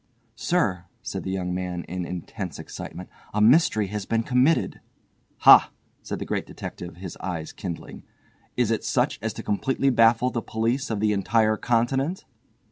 "Sir," said the young man in intense excitement, "a mystery has been committed!" "Ha!" said the Great Detective, his eye kindling, "is it such as to completely baffle the police of the entire continent?"